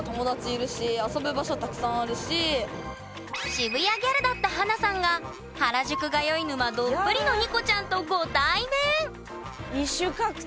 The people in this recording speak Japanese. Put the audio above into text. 渋谷ギャルだった華さんが原宿通い沼どっぷりのＮＩＣＯちゃんとご対面！